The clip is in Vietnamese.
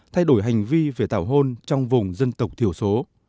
thay đổi hành vi về tảo hôn trong vùng dân tộc thiểu số